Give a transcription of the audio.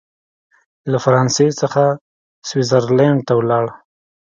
له فرانسې څخه سویس زرلینډ ته ولاړ.